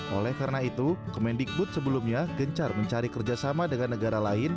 oleh karena itu kemendikbud sebelumnya gencar mencari kerjasama dengan negara lain